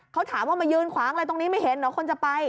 เขาถามว่ามายืนขวางอะไรตรงนี้ไม่เห็นเหรอคนจะไป